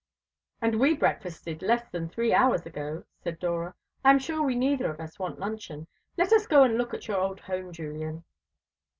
"And we breakfasted less than three hours ago," said Dora. "I am sure we neither of us want luncheon. Let us go and look at your old home, Julian."